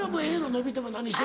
のびても何しても。